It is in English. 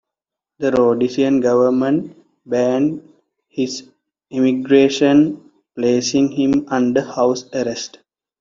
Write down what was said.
The Rhodesian government banned his emigration, placing him under house arrest.